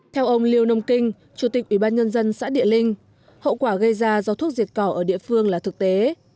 theo ông liêu nông kinh chủ tịch ủy ban nhân dân xã địa linh hậu quả gây ra do thuốc diệt cỏ ở địa phương là thực tế